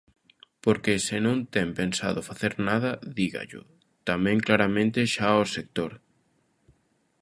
Porque se non ten pensado facer nada, dígallo tamén claramente xa ao sector.